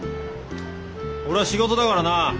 俺は仕事だからな。